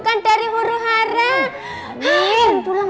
kira kira bapak bisa